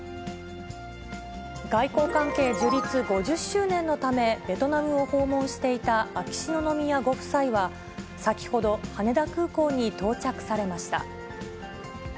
外交関係樹立５０周年のため、ベトナムを訪問していた秋篠宮ご夫妻は、先ほど羽田空港に到着されました。